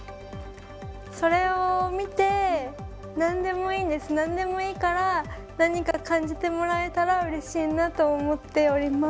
それを見て、なんでもいいから何か感じてもらえたらうれしいなと思っております。